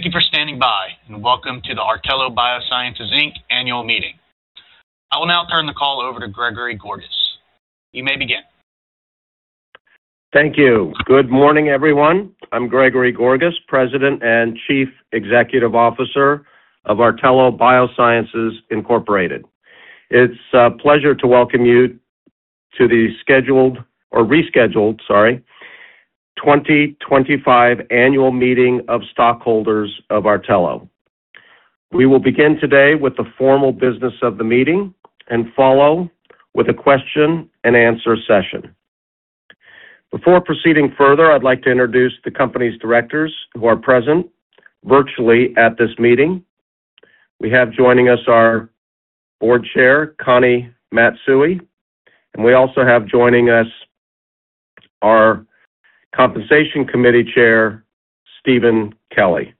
Thank you for standing by, and welcome to the Artelo Biosciences, Inc. annual meeting. I will now turn the call over to Gregory Gorgas. You may begin. Thank you. Good morning, everyone. I'm Gregory Gorgas, President and Chief Executive Officer of Artelo Biosciences, Incorporated. It's a pleasure to welcome you to the scheduled or rescheduled, sorry, 2025 annual meeting of stockholders of Artelo. We will begin today with the formal business of the meeting and follow with a question-and-answer session. Before proceeding further, I'd like to introduce the company's directors who are present virtually at this meeting. We have joining us our Board Chair, Connie Matsui, and we also have joining us our Compensation Committee Chair, Steven Kelly.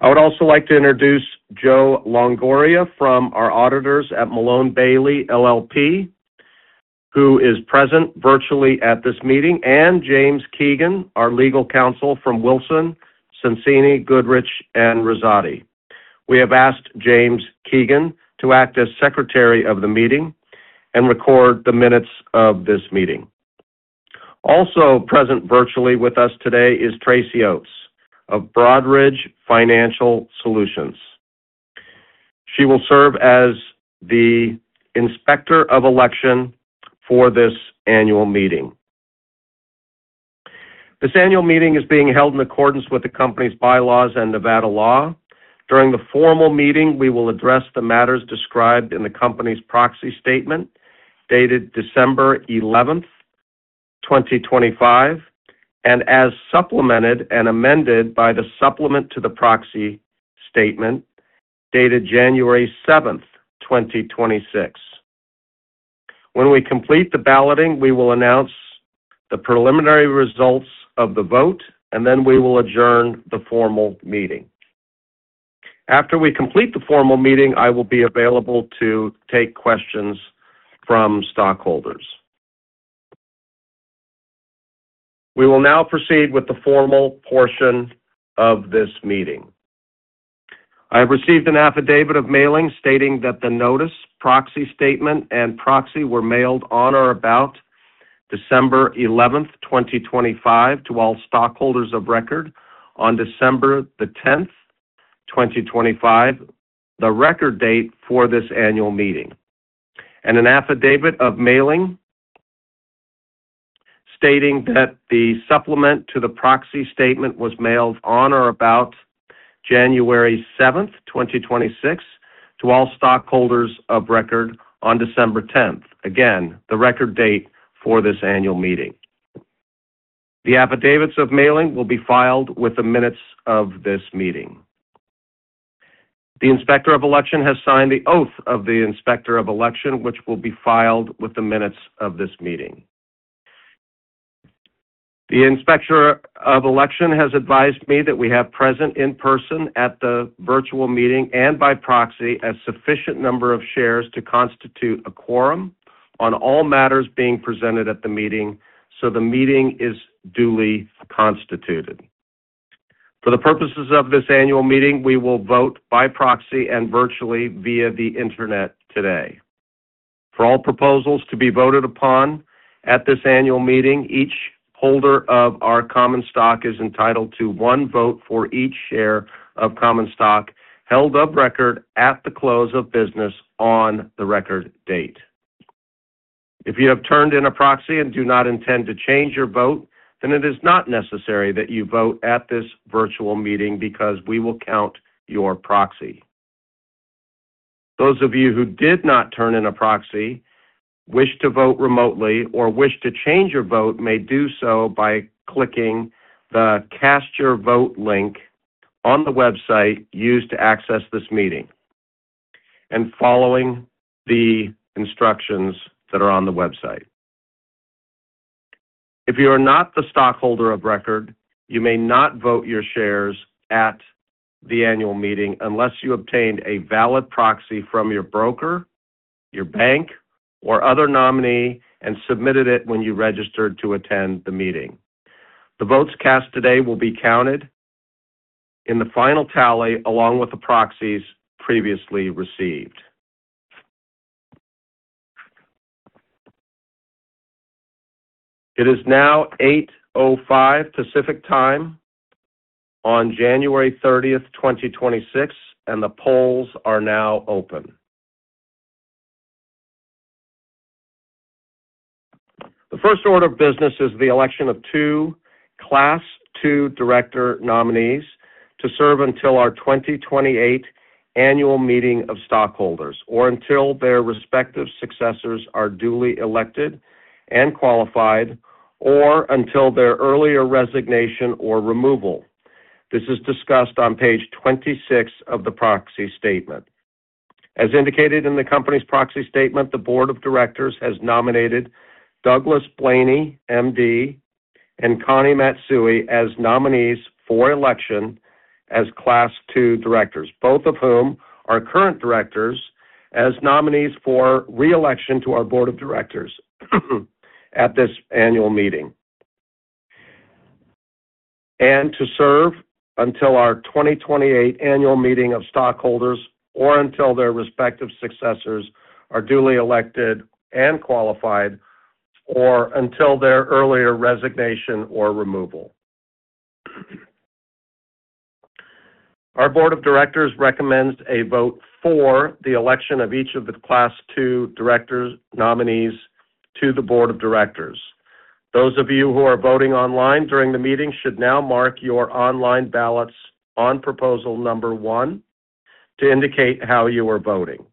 I would also like to introduce Joe Longoria from our auditors at MaloneBailey, LLP, who is present virtually at this meeting, and James Keegan, our legal counsel from Wilson Sonsini Goodrich & Rosati. We have asked James Keegan to act as secretary of the meeting and record the minutes of this meeting. Also present virtually with us today is Tracy Oates of Broadridge Financial Solutions. She will serve as the Inspector of Election for this annual meeting. This annual meeting is being held in accordance with the company's bylaws and Nevada law. During the formal meeting, we will address the matters described in the company's proxy statement, dated December eleventh, 2025, and as supplemented and amended by the supplement to the proxy statement, dated January seventh, 2026. When we complete the balloting, we will announce the preliminary results of the vote, and then we will adjourn the formal meeting. After we complete the formal meeting, I will be available to take questions from stockholders. We will now proceed with the formal portion of this meeting. I have received an affidavit of mailing stating that the notice, proxy statement, and proxy were mailed on or about December 11, 2025, to all stockholders of record on December 10, 2025, the record date for this annual meeting, and an affidavit of mailing stating that the supplement to the proxy statement was mailed on or about January 7, 2026, to all stockholders of record on December 10. Again, the record date for this annual meeting. The affidavits of mailing will be filed with the minutes of this meeting. The Inspector of Election has signed the oath of the Inspector of Election, which will be filed with the minutes of this meeting. The Inspector of Election has advised me that we have present in person at the virtual meeting and by proxy, a sufficient number of shares to constitute a quorum on all matters being presented at the meeting, so the meeting is duly constituted. For the purposes of this annual meeting, we will vote by proxy and virtually via the Internet today. For all proposals to be voted upon at this annual meeting, each holder of our common stock is entitled to one vote for each share of common stock held of record at the close of business on the record date. If you have turned in a proxy and do not intend to change your vote, then it is not necessary that you vote at this virtual meeting because we will count your proxy. Those of you who did not turn in a proxy, wish to vote remotely, or wish to change your vote may do so by clicking the Cast Your Vote link on the website used to access this meeting and following the instructions that are on the website. If you are not the stockholder of record, you may not vote your shares at the annual meeting unless you obtained a valid proxy from your broker, your bank, or other nominee and submitted it when you registered to attend the meeting. The votes cast today will be counted in the final tally, along with the proxies previously received. It is now 8:05 Pacific Time on January 30, 2026, and the polls are now open. The first order of business is the election of 2 Class tII director nominees to serve until our 2028 annual meeting of stockholders or until their respective successors are duly elected and qualified or until their earlier resignation or removal. This is discussed on page 26 of the proxy statement. As indicated in the company's proxy statement, the board of directors has nominated Douglas Blayney, MD, and Connie Matsui as nominees for election as Class two directors, both of whom are current directors as nominees for re-election to our board of directors.... at this annual meeting, and to serve until our 2028 annual meeting of stockholders, or until their respective successors are duly elected and qualified, or until their earlier resignation or removal. Our board of directors recommends a vote for the election of each of the Class Two directors nominees to the board of directors. Those of you who are voting online during the meeting should now mark your online ballots on proposal number 1 to indicate how you are voting.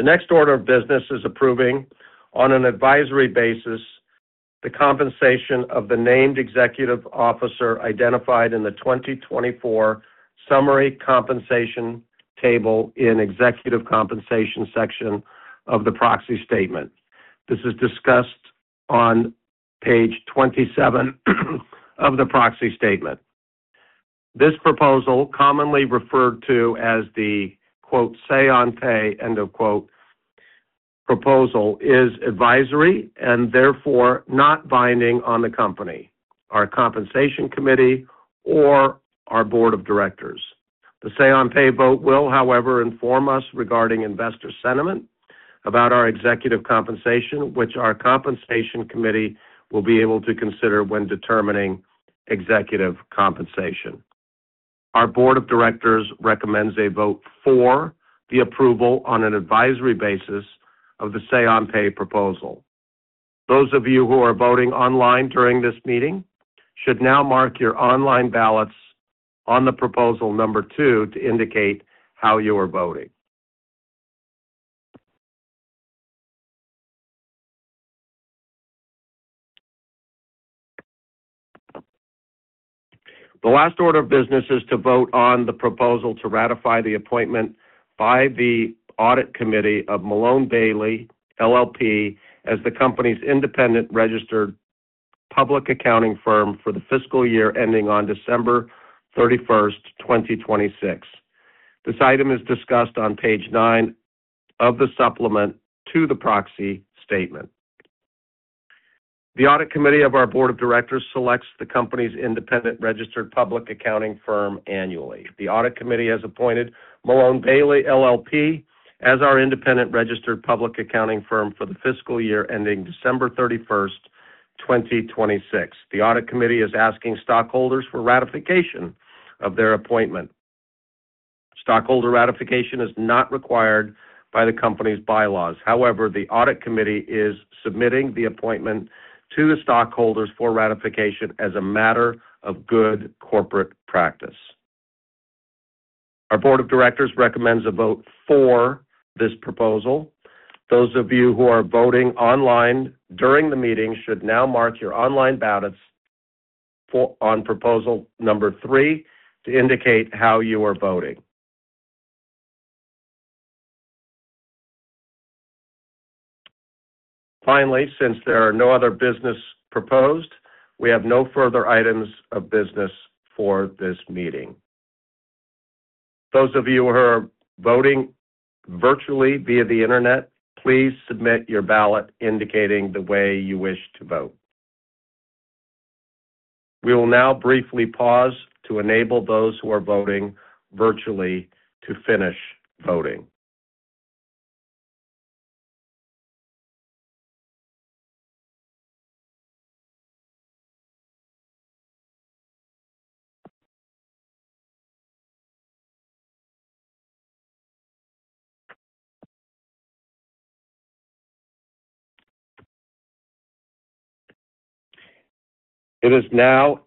The next order of business is approving, on an advisory basis, the compensation of the named executive officer identified in the 2024 summary compensation table in executive compensation section of the proxy statement. This is discussed on page 27 of the proxy statement. This proposal, commonly referred to as the "say on pay" proposal, is advisory and therefore not binding on the company, our Compensation Committee, or our board of directors. The say on pay vote will, however, inform us regarding investor sentiment about our executive compensation, which our Compensation Committee will be able to consider when determining executive compensation. Our Board of Directors recommends a vote for the approval on an advisory basis of the say on pay proposal. Those of you who are voting online during this meeting should now mark your online ballots on the proposal number 2 to indicate how you are voting. The last order of business is to vote on the proposal to ratify the appointment by the Audit Committee of MaloneBailey, LLP, as the company's independent registered public accounting firm for the fiscal year ending on December 31, 2026. This item is discussed on page 9 of the supplement to the proxy statement. The Audit Committee of our Board of Directors selects the company's independent registered public accounting firm annually. The Audit Committee has appointed MaloneBailey, LLP, as our independent registered public accounting firm for the fiscal year ending December 31, 2026. The Audit Committee is asking stockholders for ratification of their appointment. Stockholder ratification is not required by the company's Bylaws. However, the Audit Committee is submitting the appointment to the stockholders for ratification as a matter of good corporate practice. Our Board of directors recommends a vote for this proposal. Those of you who are voting online during the meeting should now mark your online ballots on proposal number three to indicate how you are voting. Finally, since there are no other business proposed, we have no further items of business for this meeting. Those of you who are voting virtually via the internet, please submit your ballot indicating the way you wish to vote. We will now briefly pause to enable those who are voting virtually to finish voting. It is now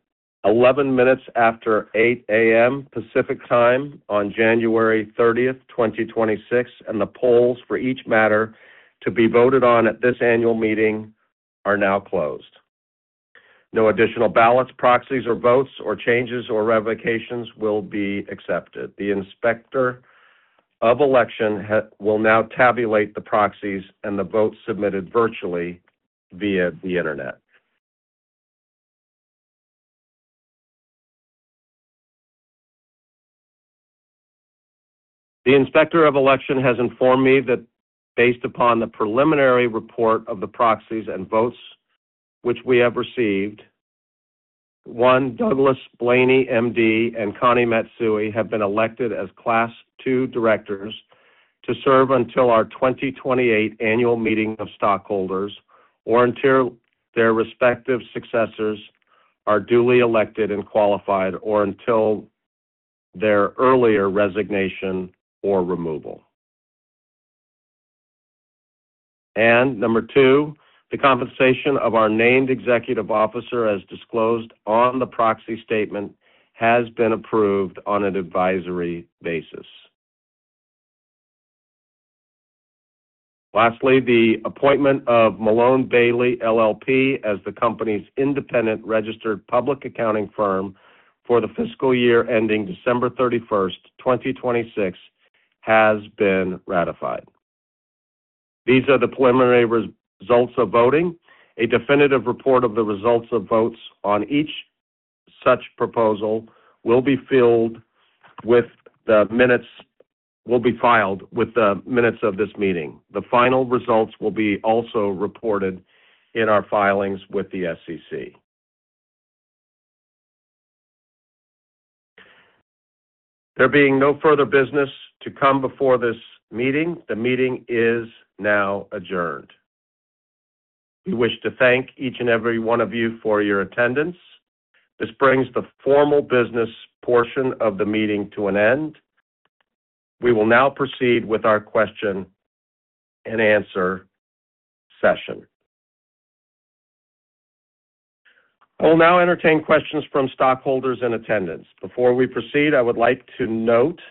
8:11 A.M. Pacific Time on January 30, 2026, and the polls for each matter to be voted on at this annual meeting are now closed. No additional ballots, proxies, or votes, or changes, or revocations will be accepted. The Inspector of Election will now tabulate the proxies and the votes submitted virtually via the internet. The Inspector of Election has informed me that based upon the preliminary report of the proxies and votes which we have received, one, Douglas Blayney, MD, and Connie Matsui have been elected as Class II directors to serve until our 2028 annual meeting of stockholders or until their respective successors are duly elected and qualified, or until their earlier resignation or removal. And number two, the compensation of our named executive officer, as disclosed on the proxy statement, has been approved on an advisory basis. Lastly, the appointment of MaloneBailey, LLP, as the company's independent registered public accounting firm for the fiscal year ending December 31, 2026, has been ratified. These are the preliminary results of voting. A definitive report of the results of votes on each such proposal will be filed with the minutes of this meeting. The final results will be also reported in our filings with the SEC. There being no further business to come before this meeting, the meeting is now adjourned. We wish to thank each and every one of you for your attendance. This brings the formal business portion of the meeting to an end. We will now proceed with our question-and-answer session. I will now entertain questions from stockholders in attendance. Before we proceed, I would like to note that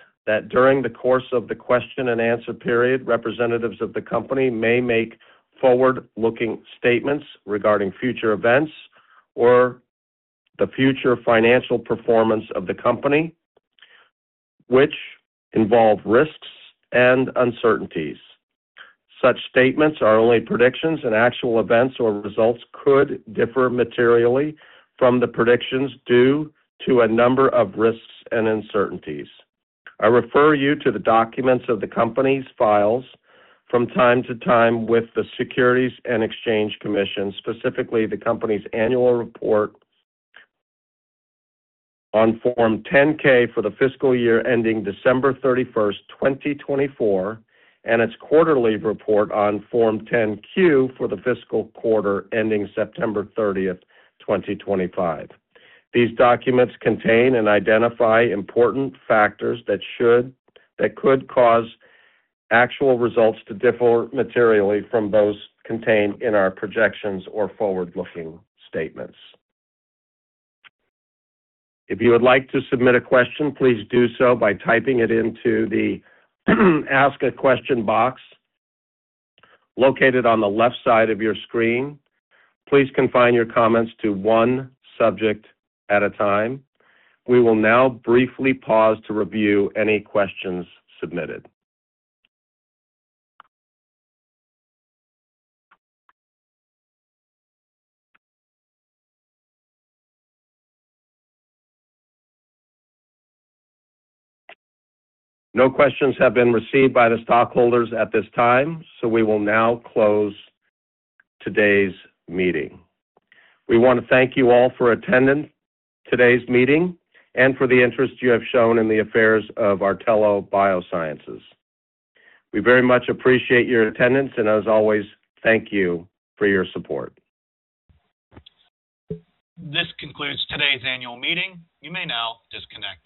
during the course of the question-and-answer period, representatives of the company may make forward-looking statements regarding future events or the future financial performance of the company, which involve risks and uncertainties. Such statements are only predictions, and actual events or results could differ materially from the predictions due to a number of risks and uncertainties. I refer you to the documents of the company's files from time to time with the Securities and Exchange Commission, specifically the company's annual report on Form 10-K for the fiscal year ending December 31, 2024, and its quarterly report on Form 10-Q for the fiscal quarter ending September 30, 2025. These documents contain and identify important factors that could cause actual results to differ materially from those contained in our projections or forward-looking statements. If you would like to submit a question, please do so by typing it into the Ask a Question box located on the left side of your screen. Please confine your comments to one subject at a time. We will now briefly pause to review any questions submitted. No questions have been received by the stockholders at this time, so we will now close today's meeting. We want to thank you all for attending today's meeting and for the interest you have shown in the affairs of Artelo Biosciences. We very much appreciate your attendance, and as always, thank you for your support. This concludes today's annual meeting. You may now disconnect.